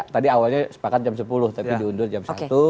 tadi awalnya sepakat jam sepuluh tapi diundur jam satu